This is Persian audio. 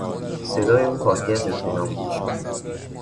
صدای او حاکی از اطمینان بود.